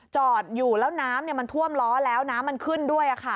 จอดอยู่แล้วน้ำมันท่วมล้อแล้วน้ำมันขึ้นด้วย